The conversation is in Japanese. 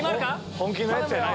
本気のやつやな？